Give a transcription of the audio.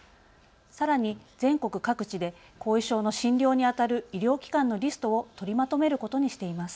さらに全国各地で後遺症の診療にあたる医療機関のリストを取りまとめることにしています。